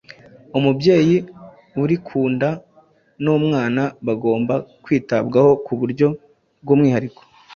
Umubyeyi uri kunda n’umwana bagomba kwitabwaho ku buryo bw’umwihariko.